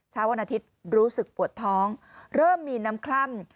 วันอาทิตย์รู้สึกปวดท้องเริ่มมีน้ำคล่ำ